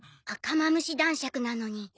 赤マムシ男爵なのに。